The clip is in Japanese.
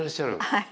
はい。